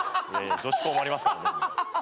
女子校もありますから。